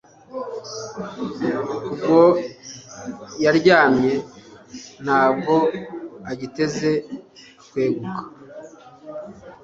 ubwo yaryamye nta bwo agiteze kweguka